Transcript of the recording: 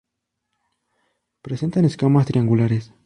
Presentan escamas triangulares.